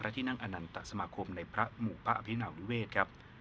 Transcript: ที่นั่งอณัตสมาคมในอพินาภินาภิเวช